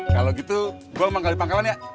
kalau gitu gue mangkal di pangkalan ya